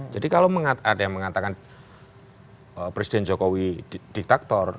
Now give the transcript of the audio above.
jadi kalau ada yang mengatakan presiden jokowi diktator